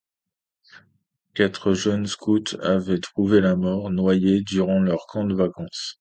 Quatre jeunes scouts avaient trouvé la mort noyés durant leur camp de vacances.